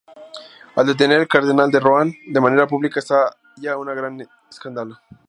Al detener al cardenal de Rohan de manera pública estalla un gran escándalo.